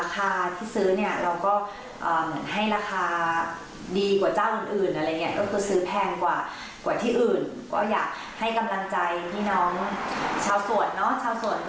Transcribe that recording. สภาพเศรษฐกิจหรือว่าปัญหาต่างที่เจอทำให้ทำให้ต้องเป็นแบบนี้